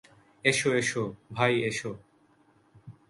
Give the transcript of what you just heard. S, এস, ভাই S.